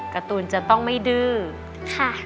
การ์ตูนจะต้องไม่ดื้อค่ะ